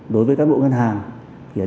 đối với các bộ ngân hàng